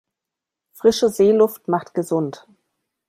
Frische Seeluft macht gesund.